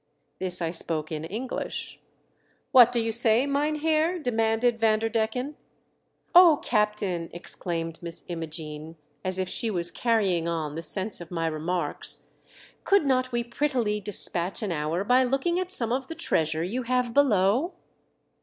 This I spoke in English. " What do you say, mynheer T demanded Vanderdecken. "Oh, captain!" exclaimed Miss Imogene, as if she was carrying on the sense of my remarks, " could not we prettily dispatch an l8o THE DEATH SHIP. hour by looking at some of the treasure you have below